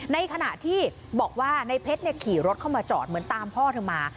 ในขณะที่บอกว่าในเพชรขี่รถเข้ามาจอดเหมือนตามพ่อเธอมา